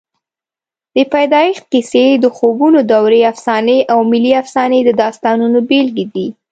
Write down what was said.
د پیدایښت کیسې، د خوبونو دورې افسانې او ملي افسانې د داستانونو بېلګې دي.